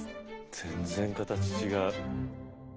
全然形違う。